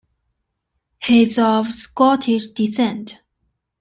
He is of Scottish descent.